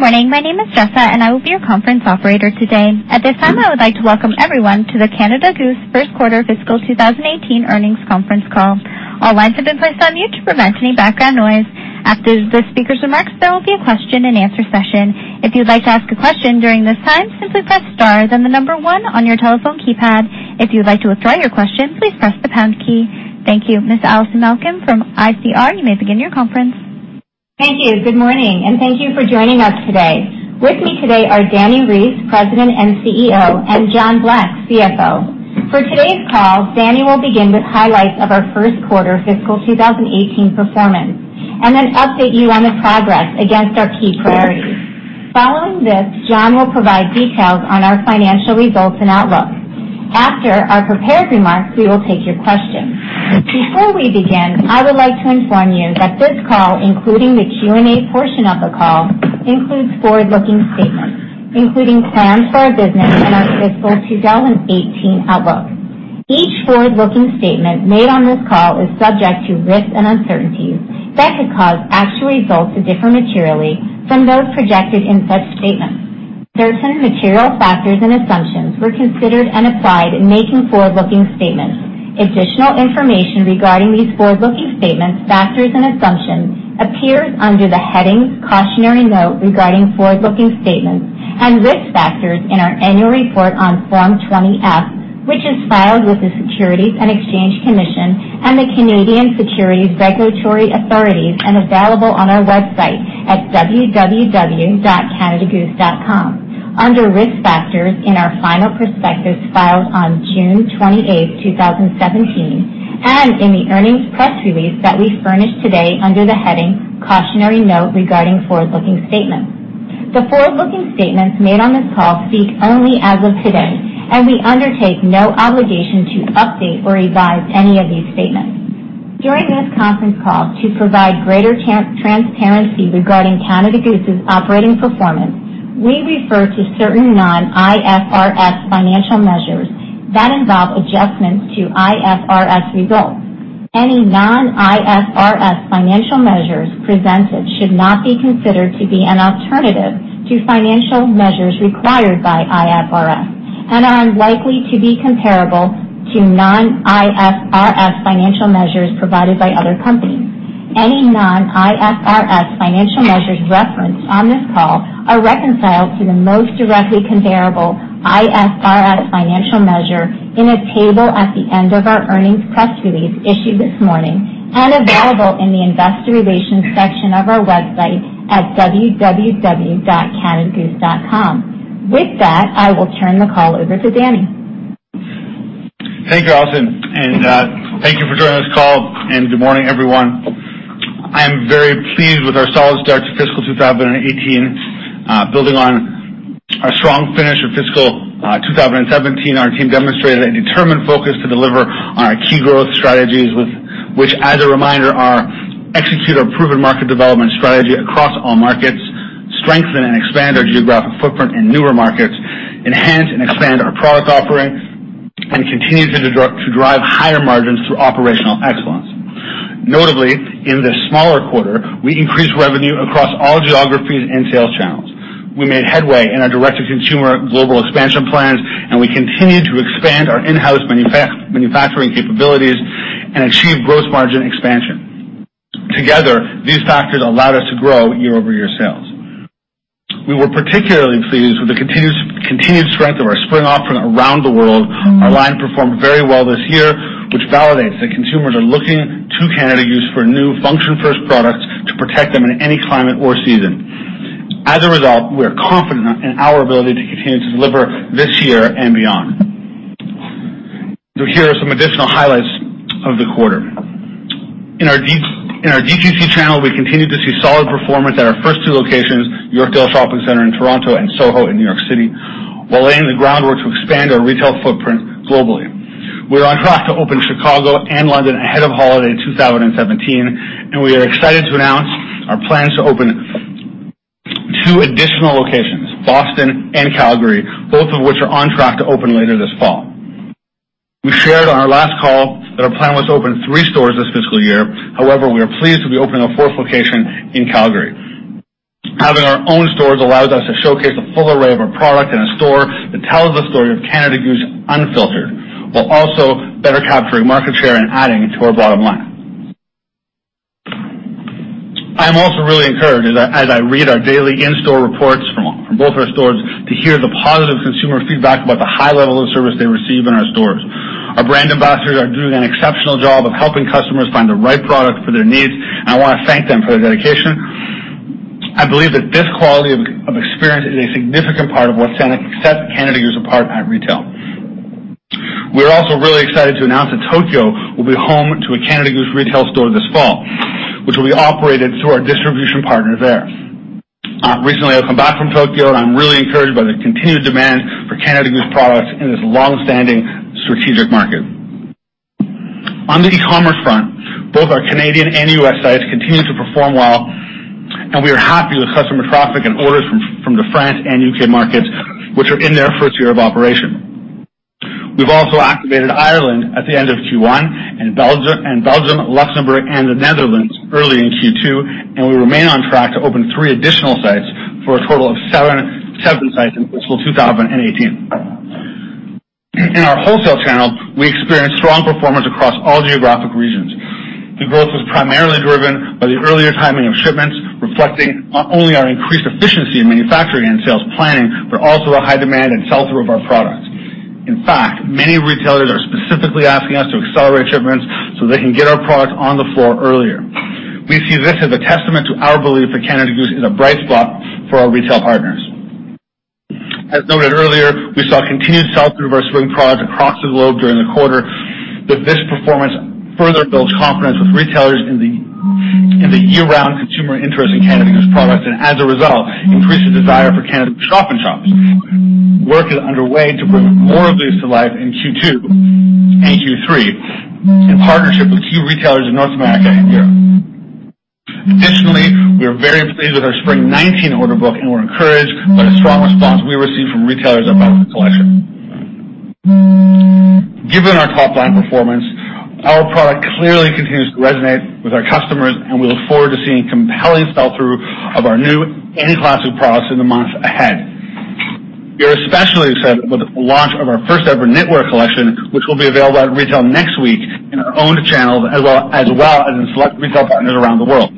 Good morning. My name is Jessa, and I will be your conference operator today. At this time, I would like to welcome everyone to the Canada Goose first quarter fiscal 2018 earnings conference call. All lines have been placed on mute to prevent any background noise. After the speaker's remarks, there will be a question and answer session. If you'd like to ask a question during this time, simply press star, then the number 1 on your telephone keypad. If you'd like to withdraw your question, please press the pound key. Thank you. Ms. Allison Malkin from ICR, you may begin your conference. Thank you. Good morning. Thank you for joining us today. With me today are Dani Reiss, President and CEO, and John Black, CFO. For today's call, Dani will begin with highlights of our first quarter fiscal 2018 performance, then update you on the progress against our key priorities. Following this, John will provide details on our financial results and outlook. After our prepared remarks, we will take your questions. Before we begin, I would like to inform you that this call, including the Q&A portion of the call, includes forward-looking statements, including plans for our business and our fiscal 2018 outlook. Each forward-looking statement made on this call is subject to risks and uncertainties that could cause actual results to differ materially from those projected in such statements. Certain material factors and assumptions were considered and applied in making forward-looking statements. Additional information regarding these forward-looking statements, factors, and assumptions appear under the headings Cautionary Note regarding Forward-Looking Statements and Risk Factors in our annual report on Form 20-F, which is filed with the Securities and Exchange Commission and the Canadian Securities Administrators and available on our website at www.canadagoose.com under Risk Factors in our final prospectus filed on June 28, 2017, and in the earnings press release that we furnish today under the heading Cautionary Note regarding forward-looking statements. The forward-looking statements made on this call speak only as of today. We undertake no obligation to update or revise any of these statements. During this conference call to provide greater transparency regarding Canada Goose's operating performance, we refer to certain non-IFRS financial measures that involve adjustments to IFRS results. Any non-IFRS financial measures presented should not be considered to be an alternative to financial measures required by IFRS and are unlikely to be comparable to non-IFRS financial measures provided by other companies. Any non-IFRS financial measures referenced on this call are reconciled to the most directly comparable IFRS financial measure in a table at the end of our earnings press release issued this morning and available in the investor relations section of our website at www.canadagoose.com. With that, I will turn the call over to Dani. Thank you, Allison, and thank you for joining this call, and good morning, everyone. I am very pleased with our solid start to fiscal 2018. Building on our strong finish for fiscal 2017, our team demonstrated a determined focus to deliver our key growth strategies, which, as a reminder, are execute our proven market development strategy across all markets, strengthen and expand our geographic footprint in newer markets, enhance and expand our product offerings, and continue to drive higher margins through operational excellence. Notably, in this smaller quarter, we increased revenue across all geographies and sales channels. We made headway in our direct-to-consumer global expansion plans, and we continued to expand our in-house manufacturing capabilities and achieve gross margin expansion. Together, these factors allowed us to grow year-over-year sales. We were particularly pleased with the continued strength of our spring offering around the world. Our line performed very well this year, which validates that consumers are looking to Canada Goose for new function-first products to protect them in any climate or season. As a result, we are confident in our ability to continue to deliver this year and beyond. Here are some additional highlights of the quarter. In our DTC channel, we continued to see solid performance at our first two locations, Yorkdale Shopping Center in Toronto and SoHo in New York City, while laying the groundwork to expand our retail footprint globally. We're on track to open Chicago and London ahead of holiday 2017, and we are excited to announce our plans to open two additional locations, Boston and Calgary, both of which are on track to open later this fall. We shared on our last call that our plan was to open three stores this fiscal year. We are pleased to be opening a fourth location in Calgary. Having our own stores allows us to showcase the full array of our product in a store that tells the story of Canada Goose unfiltered, while also better capturing market share and adding to our bottom line. I'm also really encouraged as I read our daily in-store reports from both our stores to hear the positive consumer feedback about the high level of service they receive in our stores. Our brand ambassadors are doing an exceptional job of helping customers find the right product for their needs, and I want to thank them for their dedication. I believe that this quality of experience is a significant part of what sets Canada Goose apart at retail. We're also really excited to announce that Tokyo will be home to a Canada Goose retail store this fall, which will be operated through our distribution partner there. Recently, I've come back from Tokyo, and I'm really encouraged by the continued demand for Canada Goose products in this longstanding strategic market. On the e-commerce front, both our Canadian and U.S. sites continue to perform well, and we are happy with customer traffic and orders from the France and U.K. markets, which are in their first year of operation. We've also activated Ireland at the end of Q1 and Belgium, Luxembourg, and the Netherlands early in Q2, and we remain on track to open three additional sites for a total of seven sites in fiscal 2018. In our wholesale channel, we experienced strong performance across all geographic regions. The growth was primarily driven by the earlier timing of shipments, reflecting not only our increased efficiency in manufacturing and sales planning, but also a high demand and sell-through of our products. In fact, many retailers are specifically asking us to accelerate shipments so they can get our products on the floor earlier. We see this as a testament to our belief that Canada Goose is a bright spot for our retail partners. As noted earlier, we saw continued sell-through of our spring products across the globe during the quarter, that this performance further builds confidence with retailers in the year-round consumer interest in Canada Goose products and as a result, increases desire for Canada Goose shop and shops. Work is underway to bring more of these to life in Q2 and Q3 in partnership with key retailers in North America and Europe. We are very pleased with our spring 2019 order book, and we're encouraged by the strong response we received from retailers about the collection. Given our top-line performance, our product clearly continues to resonate with our customers, and we look forward to seeing compelling sell-through of our new and classic products in the months ahead. We are especially excited about the launch of our first ever knitwear collection, which will be available at retail next week in our own channels, as well as in select retail partners around the world.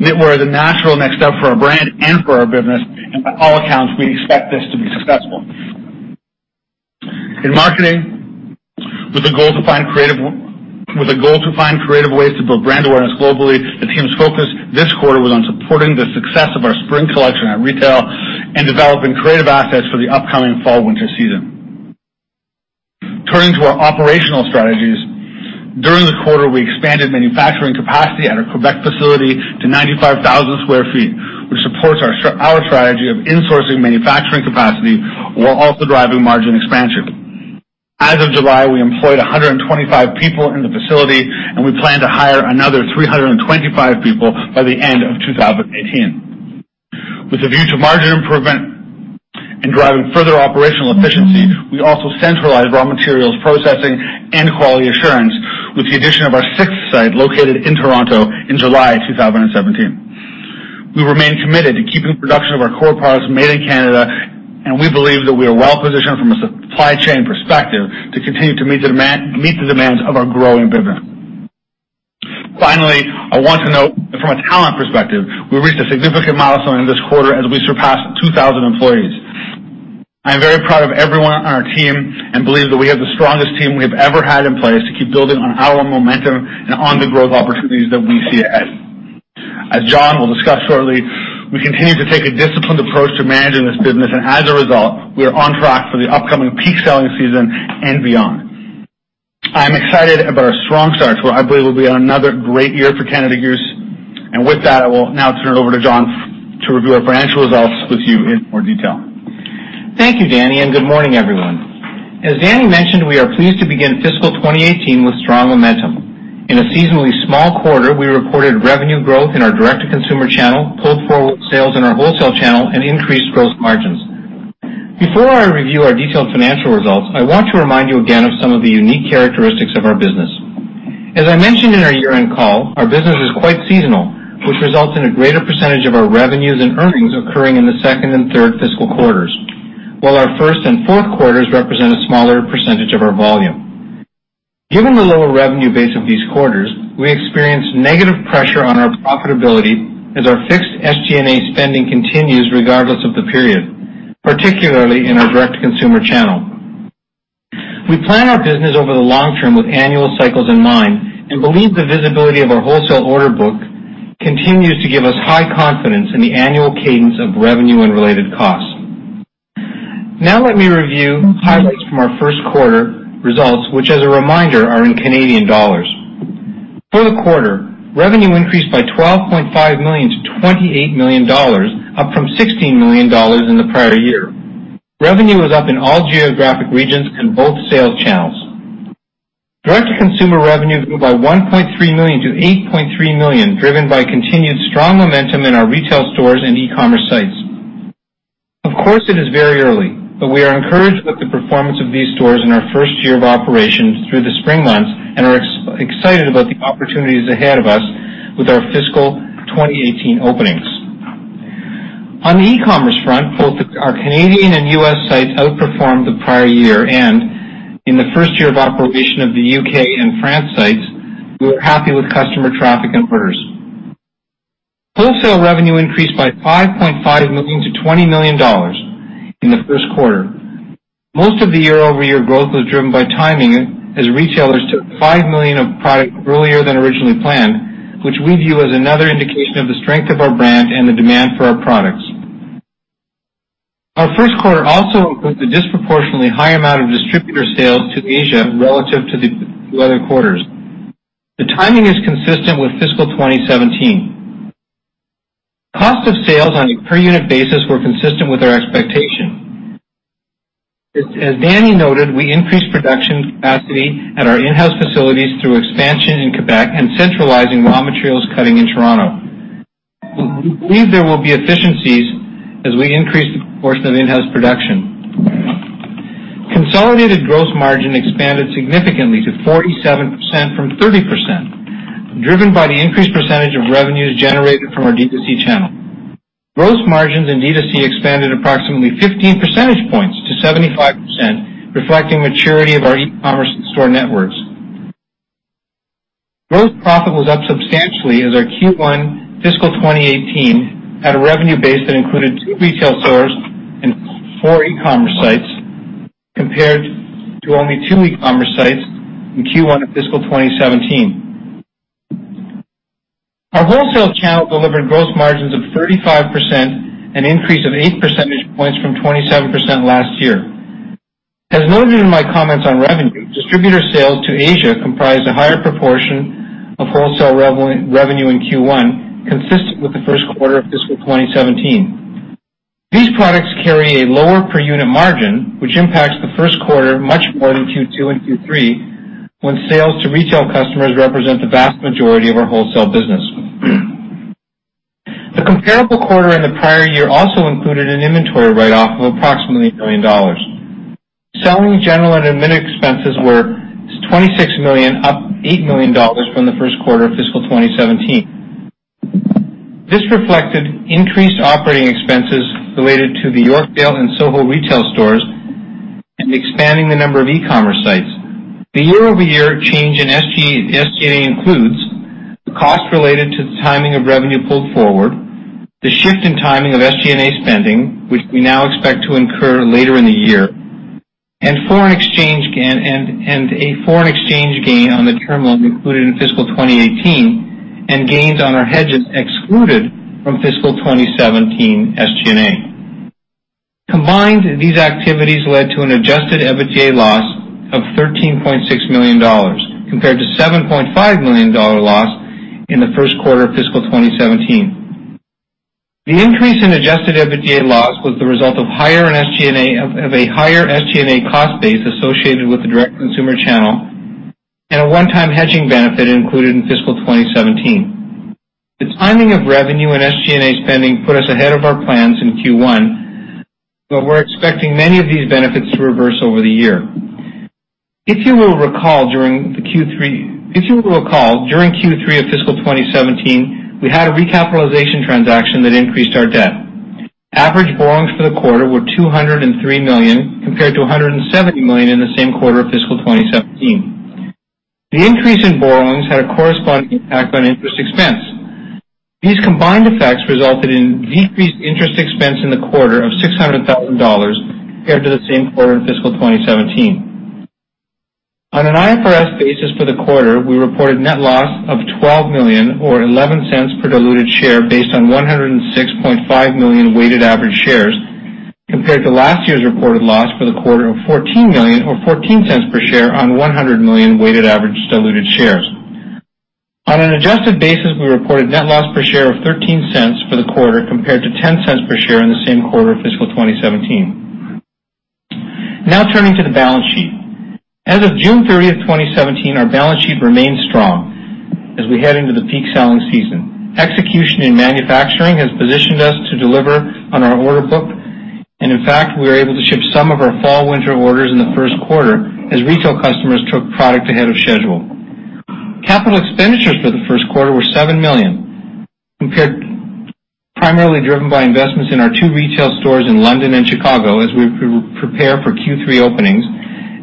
Knitwear is a natural next step for our brand and for our business, and by all accounts, we expect this to be successful. In marketing, with a goal to find creative ways to build brand awareness globally, the team's focus this quarter was on supporting the success of our spring collection at retail and developing creative assets for the upcoming fall/winter season. Turning to our operational strategies. During the quarter, we expanded manufacturing capacity at our Quebec facility to 95,000 sq ft, which supports our strategy of insourcing manufacturing capacity while also driving margin expansion. As of July, we employed 125 people in the facility, and we plan to hire another 325 people by the end of 2018. With a view to margin improvement and driving further operational efficiency, we also centralized raw materials processing and quality assurance with the addition of our sixth site located in Toronto in July 2017. We remain committed to keeping production of our core products Made in Canada, and we believe that we are well positioned from a supply chain perspective to continue to meet the demands of our growing business. I want to note that from a talent perspective, we reached a significant milestone in this quarter as we surpassed 2,000 employees. I am very proud of everyone on our team and believe that we have the strongest team we have ever had in place to keep building on our momentum and on the growth opportunities that we see ahead. As John will discuss shortly, we continue to take a disciplined approach to managing this business, and as a result, we are on track for the upcoming peak selling season and beyond. I'm excited about our strong start to what I believe will be another great year for Canada Goose. With that, I will now turn it over to John to review our financial results with you in more detail. Thank you, Dani, and good morning, everyone. As Dani mentioned, we are pleased to begin fiscal 2018 with strong momentum. In a seasonally small quarter, we reported revenue growth in our direct-to-consumer channel, pulled forward sales in our wholesale channel, and increased gross margins. Before I review our detailed financial results, I want to remind you again of some of the unique characteristics of our business. As I mentioned in our year-end call, our business is quite seasonal, which results in a greater percentage of our revenues and earnings occurring in the second and third fiscal quarters, while our first and fourth quarters represent a smaller percentage of our volume. Given the lower revenue base of these quarters, we experience negative pressure on our profitability as our fixed SG&A spending continues regardless of the period, particularly in our direct-to-consumer channel. We plan our business over the long term with annual cycles in mind and believe the visibility of our wholesale order book continues to give us high confidence in the annual cadence of revenue and related costs. Let me review highlights from our first quarter results, which as a reminder, are in Canadian dollars. For the quarter, revenue increased by [12.5 million] to 28 million dollars, up from 16 million dollars in the prior year. Revenue was up in all geographic regions and both sales channels. Direct-to-consumer revenue grew by 1.3 million to 8.3 million, driven by continued strong momentum in our retail stores and e-commerce sites. Of course, it is very early, but we are encouraged about the performance of these stores in our first year of operation through the spring months and are excited about the opportunities ahead of us with our fiscal 2018 openings. On the e-commerce front, both our Canadian and U.S. sites outperformed the prior year, and in the first year of operation of the U.K. and France sites, we were happy with customer traffic and orders. Wholesale revenue increased by 5.5 million to 20 million dollars in the first quarter. Most of the year-over-year growth was driven by timing as retailers took 5 million of product earlier than originally planned, which we view as another indication of the strength of our brand and the demand for our products. Our first quarter also includes a disproportionately high amount of distributor sales to Asia relative to the other quarters. The timing is consistent with fiscal 2017. Cost of sales on a per unit basis were consistent with our expectation. As Dani noted, we increased production capacity at our in-house facilities through expansion in Quebec and centralizing raw materials cutting in Toronto. We believe there will be efficiencies as we increase the proportion of in-house production. Consolidated gross margin expanded significantly to 47% from 30%, driven by the increased percentage of revenues generated from our D2C channel. Gross margins in D2C expanded approximately 15 percentage points to 75%, reflecting maturity of our e-commerce and store networks. Gross profit was up substantially as our Q1 fiscal 2018 had a revenue base that included two retail stores and four e-commerce sites, compared to only two e-commerce sites in Q1 of fiscal 2017. Our wholesale channel delivered gross margins of 35%, an increase of eight percentage points from 27% last year. As noted in my comments on revenue, distributor sales to Asia comprised a higher proportion of wholesale revenue in Q1, consistent with the first quarter of fiscal 2017. These products carry a lower per unit margin, which impacts the first quarter much more than Q2 and Q3, when sales to retail customers represent the vast majority of our wholesale business. The comparable quarter in the prior year also included an inventory write-off of approximately 1 million dollars. Selling, general, and admin expenses were 26 million, up 8 million dollars from the first quarter of fiscal 2017. This reflected increased operating expenses related to the Yorkdale and SoHo retail stores and expanding the number of e-commerce sites. The year-over-year change in SG&A includes the cost related to the timing of revenue pulled forward, the shift in timing of SG&A spending, which we now expect to incur later in the year, and a foreign exchange gain on the term loan included in fiscal 2018, and gains on our hedges excluded from fiscal 2017 SG&A. Combined, these activities led to an adjusted EBITDA loss of 13.6 million dollars, compared to 7.5 million dollar loss in the first quarter of fiscal 2017. The increase in adjusted EBITDA loss was the result of a higher SG&A cost base associated with the direct-to-consumer channel and a one-time hedging benefit included in fiscal 2017. The timing of revenue and SG&A spending put us ahead of our plans in Q1, but we're expecting many of these benefits to reverse over the year. If you will recall, during Q3 of fiscal 2017, we had a recapitalization transaction that increased our debt. Average borrowings for the quarter were 203 million, compared to 170 million in the same quarter of fiscal 2017. The increase in borrowings had a corresponding impact on interest expense. These combined effects resulted in decreased interest expense in the quarter of 600,000 dollars compared to the same quarter in fiscal 2017. On an IFRS basis for the quarter, we reported net loss of 12 million or 0.11 per diluted share based on 106.5 million weighted average shares, compared to last year's reported loss for the quarter of CAD 14 million or 0.14 per share on 100 million weighted average diluted shares. On an adjusted basis, we reported net loss per share of 0.13 for the quarter, compared to 0.10 per share in the same quarter of fiscal 2017. Now turning to the balance sheet. As of June 30th, 2017, our balance sheet remains strong as we head into the peak selling season. Execution in manufacturing has positioned us to deliver on our order book, and in fact, we were able to ship some of our fall/winter orders in the first quarter as retail customers took product ahead of schedule. Capital expenditures for the first quarter were 7 million, primarily driven by investments in our two retail stores in London and Chicago, as we prepare for Q3 openings,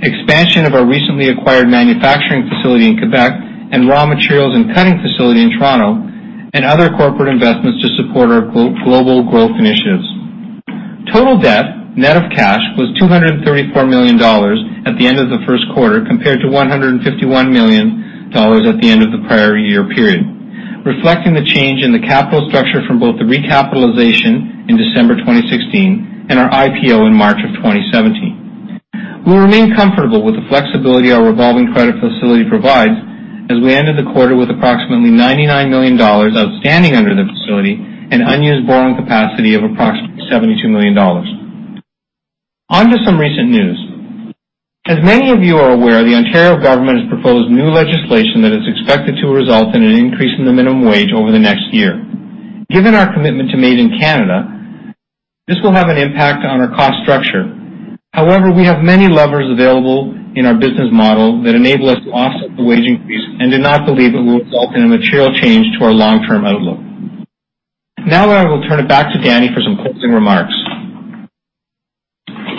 expansion of our recently acquired manufacturing facility in Quebec, and raw materials and cutting facility in Toronto, and other corporate investments to support our global growth initiatives. Total debt net of cash was 234 million dollars at the end of the first quarter, compared to 151 million dollars at the end of the prior year period, reflecting the change in the capital structure from both the recapitalization in December 2016 and our IPO in March of 2017. We remain comfortable with the flexibility our revolving credit facility provides, as we ended the quarter with approximately 99 million dollars outstanding under the facility and unused borrowing capacity of approximately 72 million dollars. To some recent news. As many of you are aware, the Ontario government has proposed new legislation that is expected to result in an increase in the minimum wage over the next year. Given our commitment to Made in Canada, this will have an impact on our cost structure. We have many levers available in our business model that enable us to offset the wage increase and do not believe it will result in a material change to our long-term outlook. I will turn it back to Dani for some closing remarks.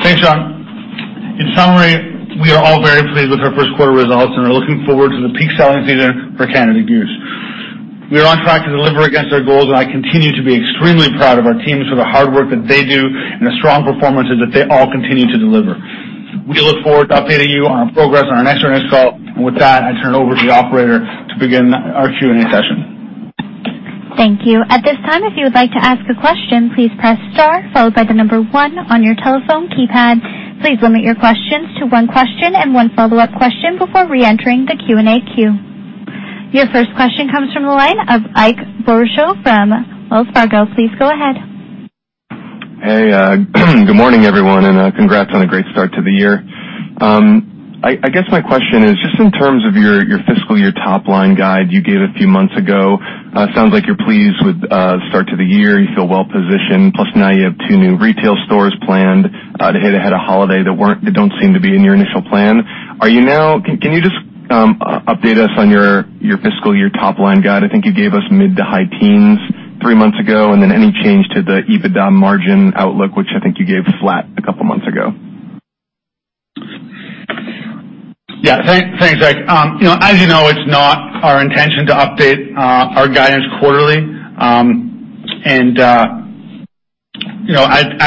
Thanks, John. We are all very pleased with our first quarter results and are looking forward to the peak selling season for Canada Goose. We are on track to deliver against our goals, and I continue to be extremely proud of our teams for the hard work that they do and the strong performances that they all continue to deliver. We look forward to updating you on our progress on our next earnings call. With that, I turn it over to the operator to begin our Q&A session. Thank you. At this time, if you would like to ask a question, please press star followed by the number one on your telephone keypad. Please limit your questions to one question and one follow-up question before reentering the Q&A queue. Your first question comes from the line of Ike Boruchow from Wells Fargo. Please go ahead. Hey. Good morning, everyone, and congrats on a great start to the year. I guess my question is just in terms of your fiscal year top-line guide you gave a few months ago. It sounds like you're pleased with the start to the year. You feel well-positioned, plus now you have two new retail stores planned to hit ahead of holiday that don't seem to be in your initial plan. Can you just update us on your fiscal year top-line guide? I think you gave us mid to high teens three months ago, and then any change to the EBITDA margin outlook, which I think you gave flat a couple of months ago. Yeah. Thanks, Zach. As you know, it's not our intention to update our guidance quarterly. At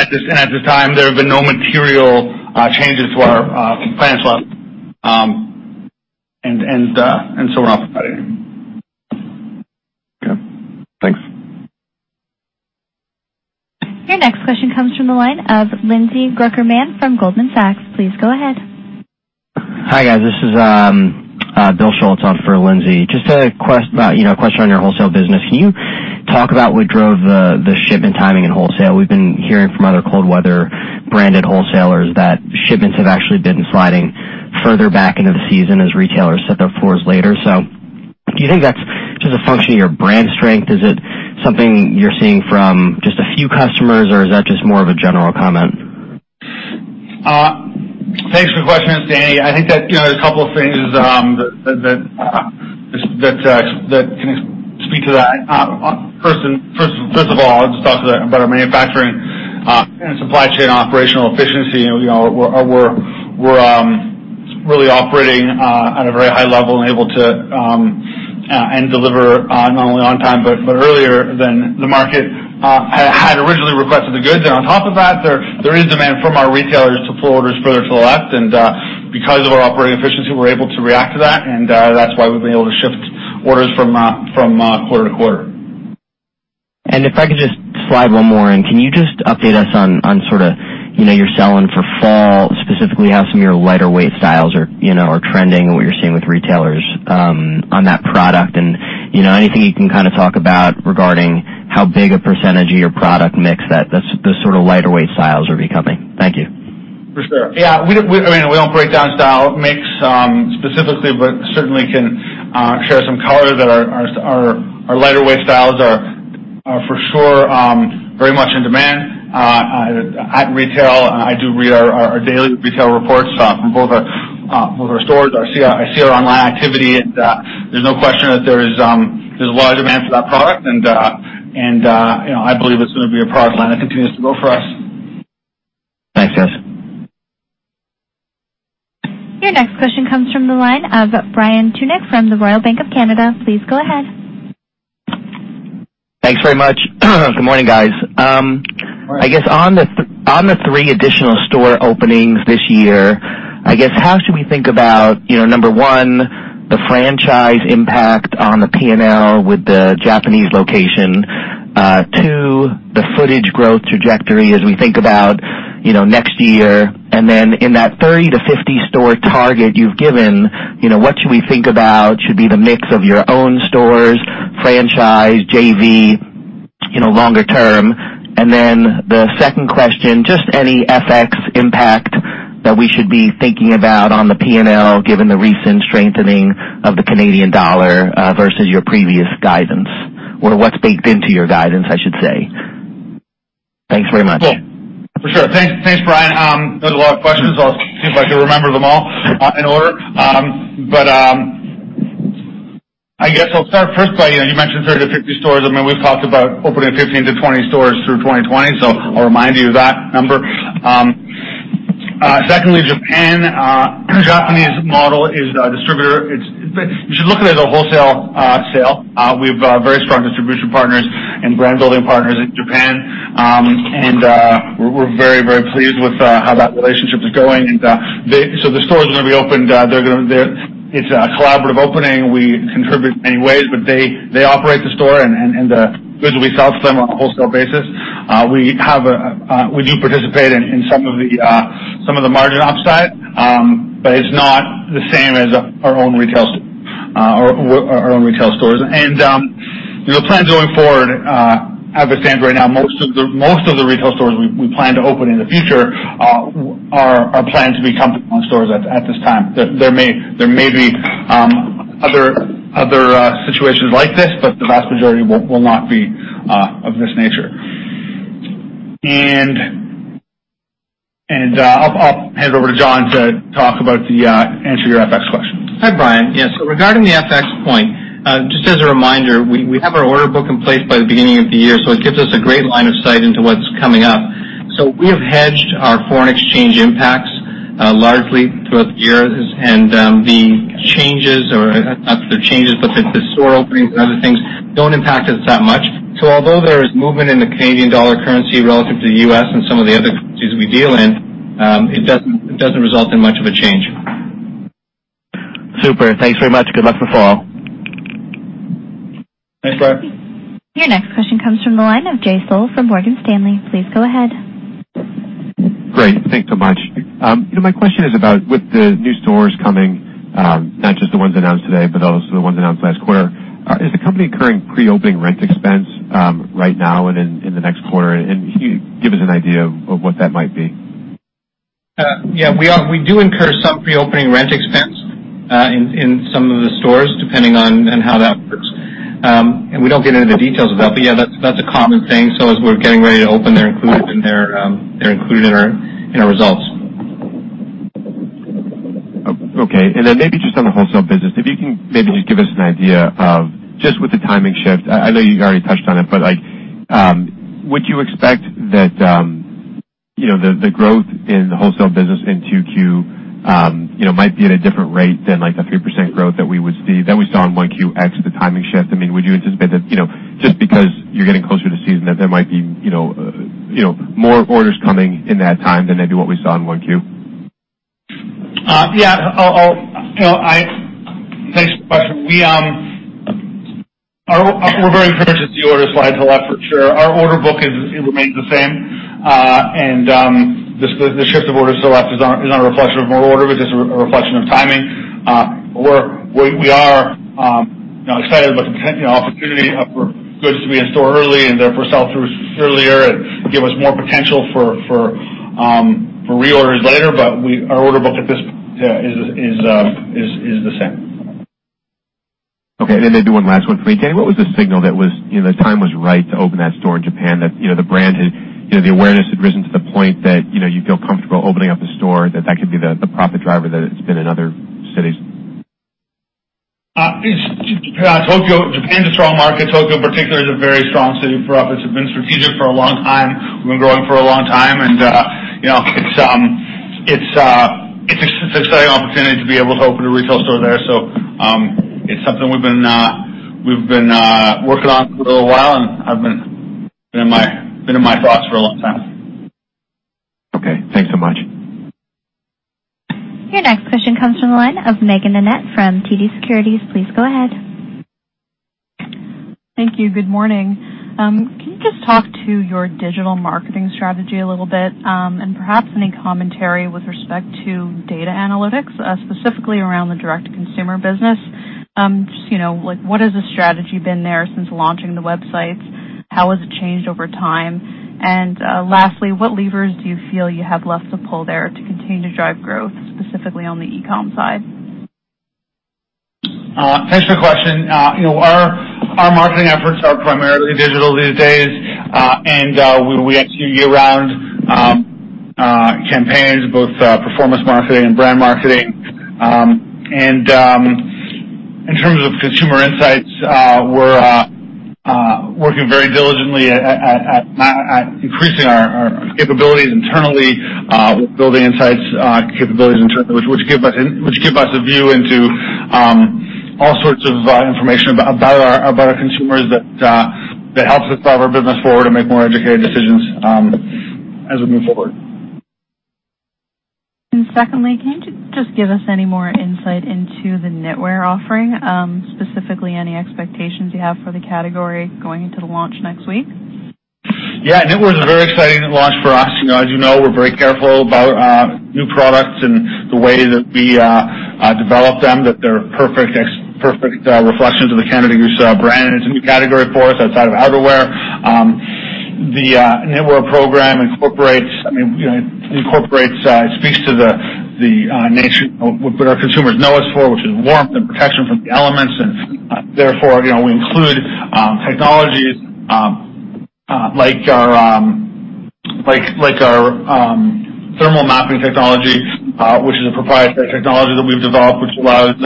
this time, there have been no material changes to our financial, so we're not providing. Okay. Thanks. Your next question comes from the line of Lindsay Drucker Mann from Goldman Sachs. Please go ahead. Hi, guys. This is William Schultz on for Lindsay. Just a question on your wholesale business. Can you talk about what drove the shipment timing in wholesale? We've been hearing from other cold weather branded wholesalers that shipments have actually been sliding further back into the season as retailers set their floors later. Do you think that's just a function of your brand strength? Is it something you're seeing from just a few customers, or is that just more of a general comment? Thanks for the question, Dani. I think that there's a couple of things that can speak to that. First of all, I'll just talk about our manufacturing and supply chain operational efficiency. We're really operating at a very high level and able to deliver not only on time but earlier than the market had originally requested the goods. On top of that, there is demand from our retailers to pull orders further to the left, and because of our operating efficiency, we're able to react to that, and that's why we've been able to shift orders from quarter to quarter. If I could just slide one more in. Can you just update us on sort of you're selling for fall, specifically how some of your lighter weight styles are trending and what you're seeing with retailers on that product? Anything you can talk about regarding how big a % of your product mix that the sort of lighter weight styles are becoming? Thank you. For sure. Yeah. We don't break down style mix specifically, but certainly can share some color that our lighter weight styles are for sure very much in demand at retail. I do read our daily retail reports from both our stores. I see our online activity, and there's no question that there's a lot of demand for that product, and I believe it's going to be a product line that continues to grow for us. Thanks, guys. Your next question comes from the line of Brian Tunick from the Royal Bank of Canada. Please go ahead. Thanks very much. Good morning, guys. Good morning. On the three additional store openings this year, how should we think about, number 1, the franchise impact on the P&L with the Japanese location? 2, the footage growth trajectory as we think about next year. In that 30-50 store target you've given, what should we think about should be the mix of your own stores, franchise, JV, longer term? The second question, just any FX impact that we should be thinking about on the P&L, given the recent strengthening of the Canadian dollar versus your previous guidance? What's baked into your guidance, I should say. Thanks very much. Cool. For sure. Thanks, Brian. There's a lot of questions. I'll see if I can remember them all in order. I'll start first by, you mentioned 30-50 stores. I mean, we've talked about opening 15-20 stores through 2020, so I'll remind you of that number. Secondly, Japan. Japanese model is a distributor. You should look at it as a wholesale sale. We've very strong distribution partners and brand building partners in Japan, and we're very pleased with how that relationship is going. The stores are going to be opened. It's a collaborative opening. We contribute in many ways, but they operate the store, and the goods will be sold to them on a wholesale basis. We do participate in some of the margin upside, but it's not the same as our own retail stores. The plans going forward, as it stands right now, most of the retail stores we plan to open in the future are planned to be company-owned stores at this time. There may be other situations like this, but the vast majority will not be of this nature. I'll hand it over to John to answer your FX question. Hi, Brian. Regarding the FX point, just as a reminder, we have our order book in place by the beginning of the year, so it gives us a great line of sight into what's coming up. We have hedged our foreign exchange impacts largely throughout the year, and the store openings and other things don't impact us that much. Although there is movement in the Canadian dollar currency relative to the U.S. and some of the other currencies we deal in, it doesn't result in much of a change. Super. Thanks very much. Good luck with the fall. Thanks, Brian. Your next question comes from the line of Jay Sole from Morgan Stanley. Please go ahead. Great. Thanks so much. My question is about, with the new stores coming, not just the ones announced today, but also the ones announced last quarter. Is the company incurring pre-opening rent expense right now and in the next quarter? Can you give us an idea of what that might be? We do incur some pre-opening rent expense in some of the stores, depending on how that works. We don't get into the details of that. Yeah, that's a common thing. As we're getting ready to open, they're included in our results. Okay. Maybe just on the wholesale business, if you can maybe just give us an idea of just with the timing shift. I know you already touched on it, would you expect that the growth in the wholesale business in Q2 might be at a different rate than the 3% growth that we saw in 1Q, ex the timing shift? Would you anticipate that just because you're getting closer to season, that there might be more orders coming in that time than maybe what we saw in 1Q? Yeah. Thanks for the question. We're very encouraged to see orders slide to the left for sure. Our order book remains the same. The shift of orders to the left is not a reflection of more order, just a reflection of timing. We are excited about the opportunity for goods to be in store early and therefore sell through earlier and give us more potential for reorders later. Our order book at this is the same. Okay. Maybe one last one for me. Dani, what was the signal that the time was right to open that store in Japan, that the brand had the awareness, had risen to the point that you feel comfortable opening up a store, that could be the profit driver that it's been in other cities? Japan's a strong market. Tokyo in particular is a very strong city for us. It's been strategic for a long time. We've been growing for a long time. It's an exciting opportunity to be able to open a retail store there. It's something we've been working on for a little while, and been in my thoughts for a long time. Okay. Thanks so much. Your next question comes from the line of Meaghen Annett from TD Securities. Please go ahead. Thank you. Good morning. Can you just talk to your digital marketing strategy a little bit? Perhaps any commentary with respect to data analytics, specifically around the direct-to-consumer business. Just like, what has the strategy been there since launching the websites? How has it changed over time? Lastly, what levers do you feel you have left to pull there to continue to drive growth, specifically on the e-com side? Thanks for the question. Our marketing efforts are primarily digital these days, and we execute year-round campaigns, both performance marketing and brand marketing. In terms of consumer insights, we're working very diligently at increasing our capabilities internally with building insights capabilities internally, which give us a view into all sorts of information about our consumers that helps us drive our business forward and make more educated decisions as we move forward. Secondly, can you just give us any more insight into the knitwear offering, specifically any expectations you have for the category going into the launch next week? Yeah. Knitwear is a very exciting launch for us. As you know, we're very careful about new products and the way that we develop them, that they're perfect reflections of the Canada Goose brand. It's a new category for us outside of outerwear. The knitwear program speaks to what our consumers know us for, which is warmth and protection from the elements. Therefore, we include technologies like our Thermal Mapping technology, which is a proprietary technology that we've developed, which allows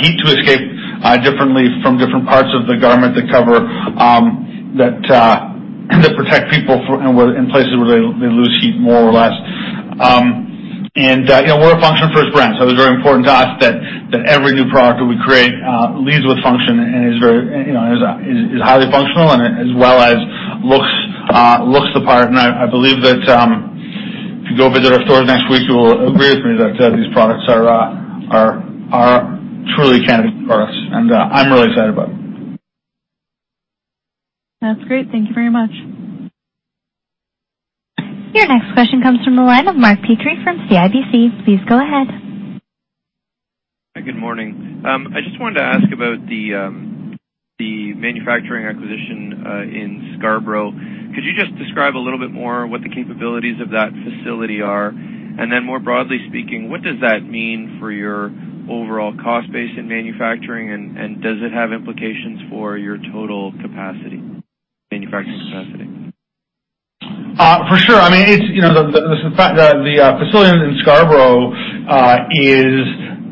heat to escape differently from different parts of the garment that protect people in places where they lose heat more or less. We're a function-first brand, so it's very important to us that every new product that we create leads with function and is highly functional as well as looks the part. I believe that if you go visit our stores next week, you will agree with me that these products are truly Canada Goose products, and I'm really excited about them. That's great. Thank you very much. Your next question comes from the line of Mark Petrie from CIBC. Please go ahead. Good morning. I just wanted to ask about the manufacturing acquisition in Scarborough. Could you just describe a little bit more what the capabilities of that facility are? Then more broadly speaking, what does that mean for your overall cost base in manufacturing, and does it have implications for your total manufacturing capacity? For sure. The facility in Scarborough is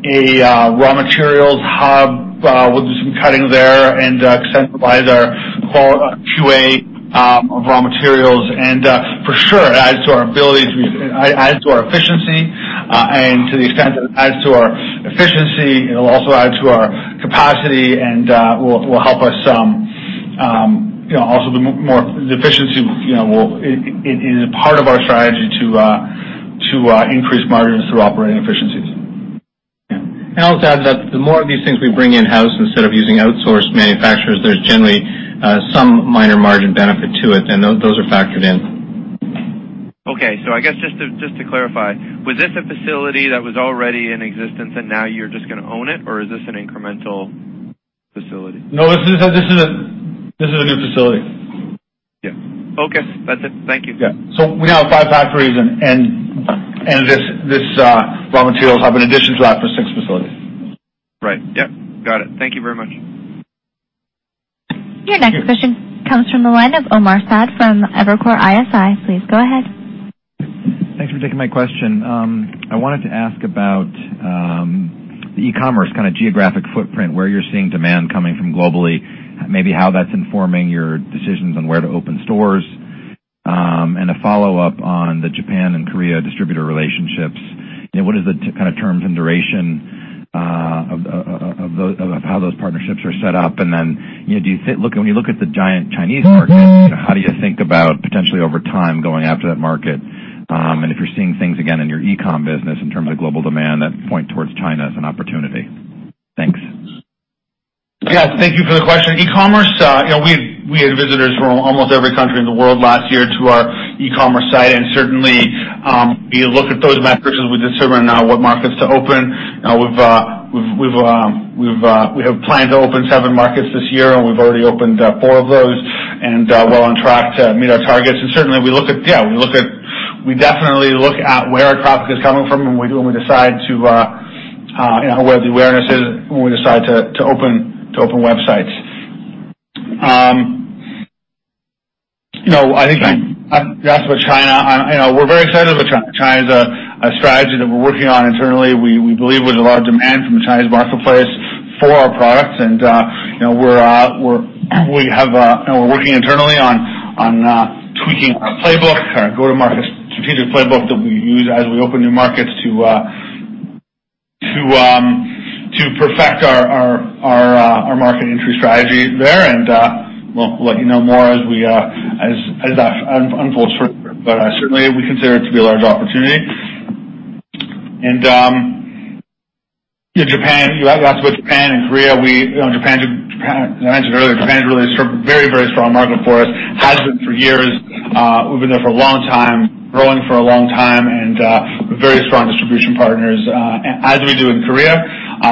a raw materials hub. We'll do some cutting there and centralize our QA of raw materials. For sure, it adds to our ability, it adds to our efficiency. To the extent that it adds to our efficiency, it'll also add to our capacity and will help us. Also the efficiency is a part of our strategy to increase margins through operating efficiencies. I'll just add that the more of these things we bring in-house instead of using outsourced manufacturers, there's generally some minor margin benefit to it, and those are factored in. Okay. I guess just to clarify, was this a facility that was already in existence and now you're just going to own it, or is this an incremental facility? No, this is a new facility. Yeah. Okay. That's it. Thank you. Yeah. We have five factories, and this raw materials hub an addition to that for six facilities. Right. Yeah. Got it. Thank you very much. Your next question comes from the line of Omar Saad from Evercore ISI. Please go ahead. Thanks for taking my question. I wanted to ask about the e-commerce geographic footprint, where you're seeing demand coming from globally, maybe how that's informing your decisions on where to open stores. A follow-up on the Japan and Korea distributor relationships. What is the terms and duration of how those partnerships are set up? When you look at the giant Chinese market, how do you think about potentially over time going after that market? If you're seeing things again in your e-com business in terms of global demand that point towards China as an opportunity. Thanks. Yes. Thank you for the question. E-commerce, we had visitors from almost every country in the world last year to our e-commerce site, certainly, we look at those metrics as we determine what markets to open. We have plans to open 7 markets this year, and we've already opened 4 of those. We're on track to meet our targets. Certainly, we definitely look at where our traffic is coming from and where the awareness is when we decide to open websites. You asked about China. We're very excited about China. China's a strategy that we're working on internally. We believe there's a large demand from China's marketplace for our products, and we're working internally on tweaking our playbook, our go-to-market strategic playbook that we use as we open new markets to perfect our market entry strategy there. We'll let you know more as that unfolds further. Certainly, we consider it to be a large opportunity. You asked about Japan and Korea. I mentioned earlier, Japan is really a very strong market for us, has been for years. We've been there for a long time, growing for a long time, and very strong distribution partners, as we do in Korea,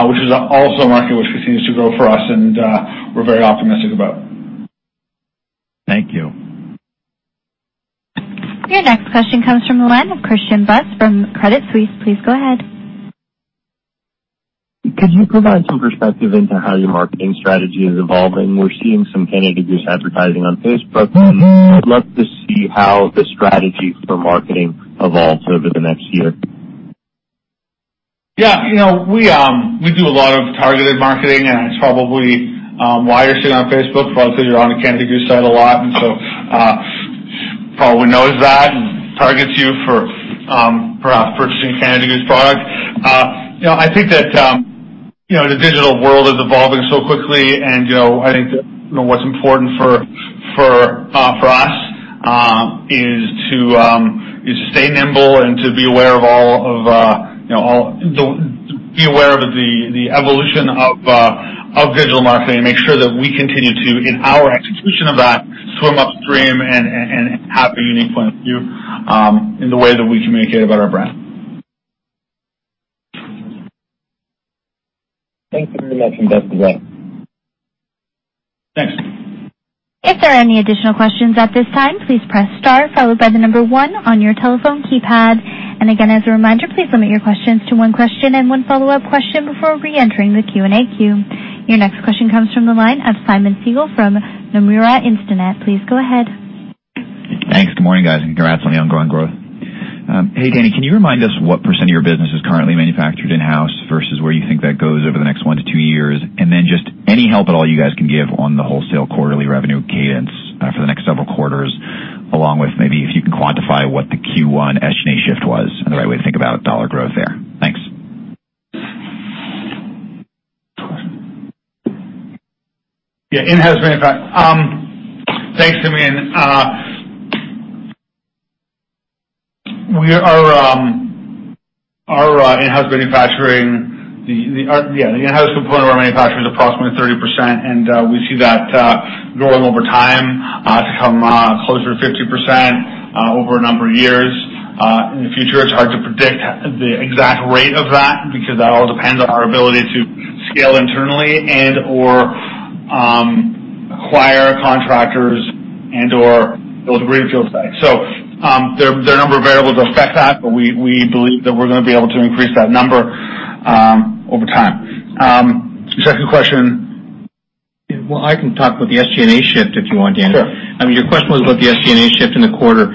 which is also a market which continues to grow for us and we're very optimistic about. Thank you. Your next question comes from the line of Christian Buss from Credit Suisse. Please go ahead. Could you provide some perspective into how your marketing strategy is evolving? We're seeing some Canada Goose advertising on Facebook, I'd love to see how the strategy for marketing evolves over the next year. Yeah. We do a lot of targeted marketing, it's probably why you're seeing it on Facebook, probably because you're on the Canada Goose site a lot. Probably knows that and targets you for purchasing Canada Goose products. I think that the digital world is evolving so quickly, I think that what's important for us is to stay nimble and to be aware of the evolution of digital marketing and make sure that we continue to, in our execution of that, swim upstream and have a unique point of view in the way that we communicate about our brand. Thank you very much. Best of luck. Thanks. If there are any additional questions at this time, please press star followed by the number 1 on your telephone keypad. Again, as a reminder, please limit your questions to one question and one follow-up question before reentering the Q&A queue. Your next question comes from the line of Simeon Siegel from Nomura Instinet. Please go ahead. Thanks. Good morning, guys, and congrats on the ongoing growth. Hey, Dani, can you remind us what percent of your business is currently manufactured in-house versus where you think that goes over the next one to two years? Just any help at all you guys can give on the wholesale quarterly revenue cadence for the next several quarters, along with maybe if you can quantify what the Q1 SGA shift was and the right way to think about CAD growth there. Thanks. Yeah, in-house manufacturing. Thanks, Simeon. Our in-house component of our manufacturing is approximately 30%, and we see that growing over time to come closer to 50% over a number of years. In the future, it's hard to predict the exact rate of that because that all depends on our ability to scale internally and/or acquire contractors and/or build a greenfield site. There are a number of variables that affect that, but we believe that we're going to be able to increase that number over time. Second question. Well, I can talk about the SGA shift if you want, Dani. Sure. Your question was about the SGA shift in the quarter.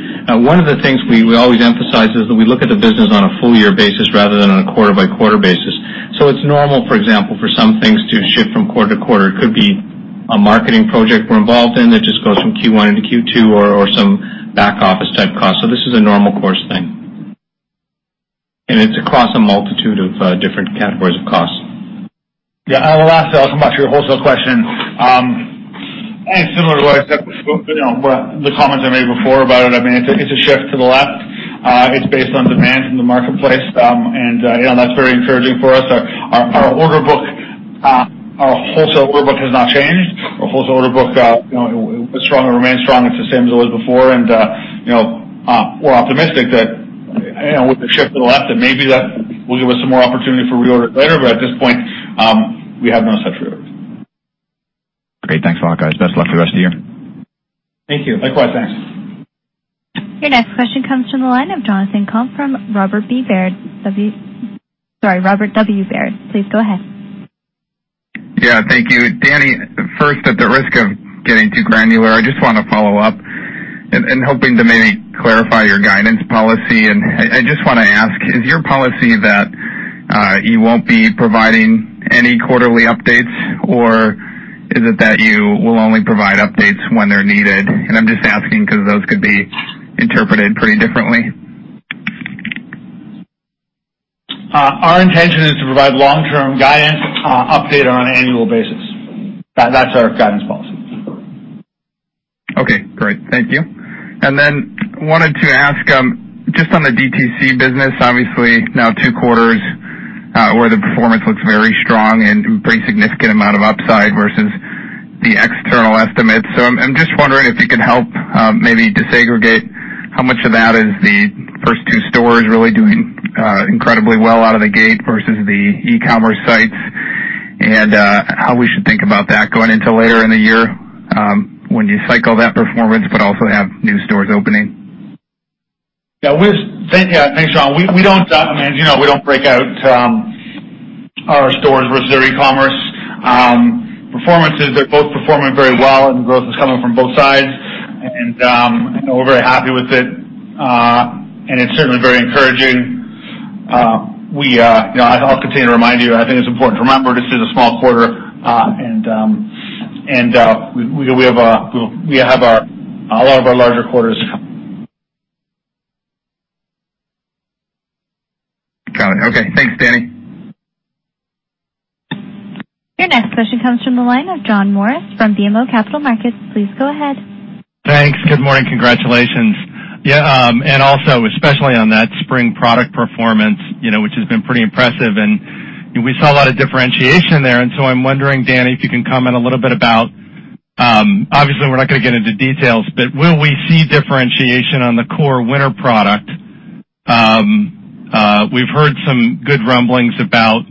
One of the things we always emphasize is that we look at the business on a full year basis rather than on a quarter-by-quarter basis. It's normal, for example, for some things to shift from quarter to quarter. It could be a marketing project we're involved in that just goes from Q1 into Q2 or some back office type cost. This is a normal course thing. It's across a multitude of different categories of costs. Yeah. Last, I'll come back to your wholesale question. I think similar to what I said, the comments I made before about it. It's a shift to the left. It's based on demand from the marketplace. That's very encouraging for us. Our wholesale order book has not changed. Our wholesale order book was strong and remains strong. It's the same as it was before. We're optimistic that with the shift to the left, that maybe that will give us some more opportunity for reorders later. At this point, we have no such reorders. Great. Thanks a lot, guys. Best of luck for the rest of the year. Thank you. Likewise, thanks. Your next question comes from the line of Jonathan Komp from Robert W. Baird. Please go ahead. Yeah, thank you. Dani, first, at the risk of getting too granular, I just want to follow up and hoping to maybe clarify your guidance policy. I just want to ask, is your policy that you won't be providing any quarterly updates or is it that you will only provide updates when they're needed? I'm just asking because those could be interpreted pretty differently. Our intention is to provide long-term guidance update on an annual basis. That's our guidance policy. Okay, great. Thank you. Then wanted to ask, just on the DTC business, obviously now two quarters where the performance looks very strong and pretty significant amount of upside versus the external estimates. I'm just wondering if you could help maybe disaggregate how much of that is the first two stores really doing incredibly well out of the gate versus the e-commerce sites and how we should think about that going into later in the year when you cycle that performance but also have new stores opening. Yeah. Thanks, Jonathan. We don't break out our stores versus our e-commerce performances. They're both performing very well and growth is coming from both sides. We're very happy with it. It's certainly very encouraging. I'll continue to remind you, I think it's important to remember this is a small quarter, and we have a lot of our larger quarters to come. Got it. Okay. Thanks, Dani. Your next question comes from the line of John Morris from BMO Capital Markets. Please go ahead. Thanks. Good morning. Congratulations. Yeah, also especially on that spring product performance which has been pretty impressive. We saw a lot of differentiation there. I'm wondering, Dani, if you can comment a little bit about, obviously we're not going to get into details, but will we see differentiation on the core winter product? We've heard some good rumblings about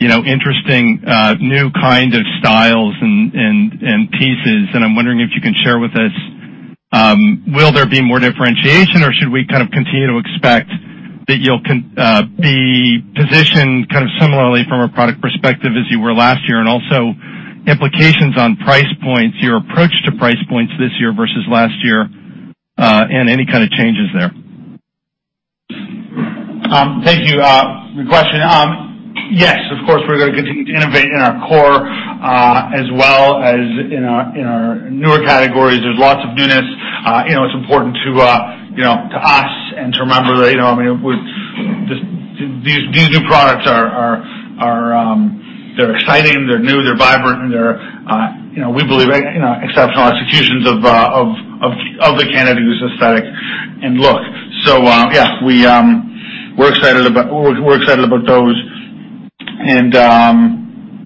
interesting new kind of styles and pieces, and I'm wondering if you can share with us, will there be more differentiation or should we kind of continue to expect that you'll be positioned kind of similarly from a product perspective as you were last year? Also implications on price points, your approach to price points this year versus last year, and any kind of changes there. Thank you for the question. Yes, of course, we're going to continue to innovate in our core as well as in our newer categories. There's lots of newness. It's important to us and to remember that these new products are exciting, they're new, they're vibrant, and we believe exceptional executions of the Canada Goose aesthetic and look. Yeah, we're excited about those. The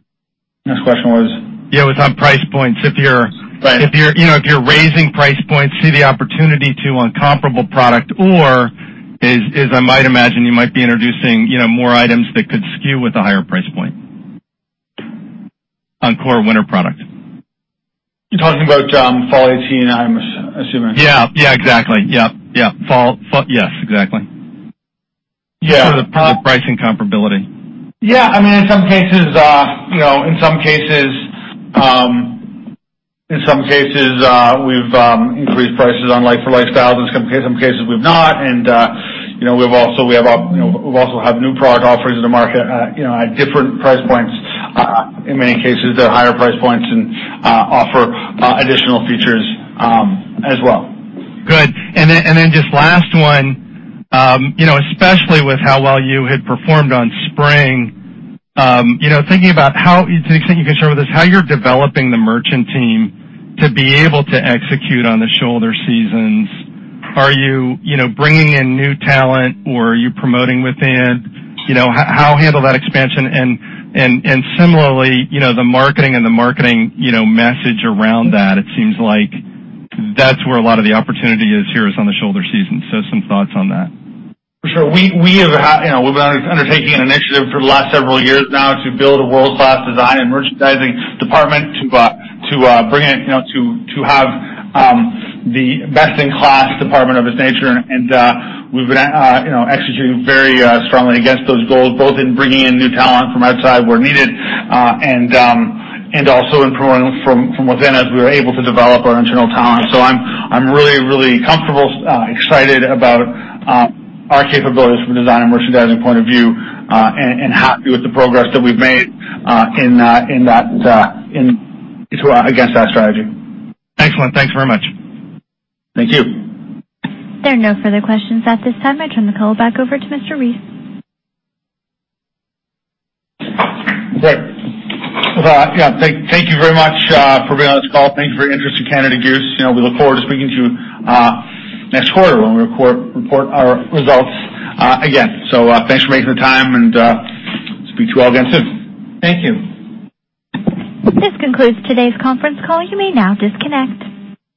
next question was? Yeah, it was on price points. Right. If you're raising price points, see the opportunity to on comparable product, or as I might imagine, you might be introducing more items that could skew with a higher price point on core winter product. You're talking about fall 2018, I'm assuming. Yeah, exactly. Fall. Yes, exactly. Yeah. Sort of the pricing comparability. Yeah. In some cases, we've increased prices on like-for-like styles. In some cases, we've not. We also have new product offerings in the market at different price points. In many cases, they're higher price points and offer additional features as well. Good. Just last one. Especially with how well you had performed on spring, thinking about how, to the extent you can share with us, how you're developing the merchant team to be able to execute on the shoulder seasons. Are you bringing in new talent or are you promoting within? How to handle that expansion and similarly, the marketing and the marketing message around that. It seems like that's where a lot of the opportunity is here is on the shoulder season. Some thoughts on that. For sure. We've been undertaking an initiative for the last several years now to build a world-class design and merchandising department to have the best-in-class department of its nature. We've been executing very strongly against those goals, both in bringing in new talent from outside where needed and also improving from within as we were able to develop our internal talent. I'm really, really comfortable, excited about our capabilities from a design and merchandising point of view, and happy with the progress that we've made against that strategy. Excellent. Thanks very much. Thank you. There are no further questions at this time. I turn the call back over to Mr. Reiss. Great. Thank you very much for being on this call. Thank you for your interest in Canada Goose. We look forward to speaking to you next quarter when we report our results again. Thanks for making the time, and speak to you all again soon. Thank you. This concludes today's conference call. You may now disconnect.